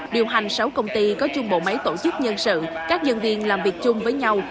điều hành sáu công ty có chung bộ máy tổ chức nhân sự các nhân viên làm việc chung với nhau